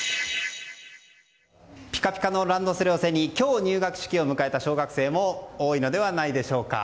ピカピカのランドセルを背に今日、入学式を迎えた小学生も多いのではないでしょうか。